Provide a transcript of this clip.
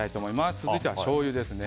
続いては、しょうゆですね。